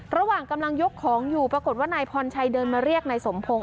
ระหว่างกำลังยกของอยู่ปรากฏว่านายพรชัยเดินมาเรียกนายสมพงศ